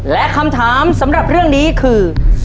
และคำถามสำหรับเรื่องนี้คือ